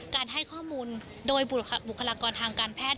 การให้ข้อมูลโดยบุคลากรทางการแพทย์